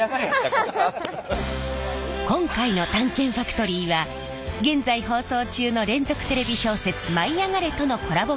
今回の「探検ファクトリー」は現在放送中の連続テレビ小説「舞いあがれ！」とのコラボ